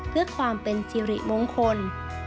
เพื่อความเป็นสิริมงคล